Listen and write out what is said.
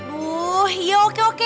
aduh ya oke oke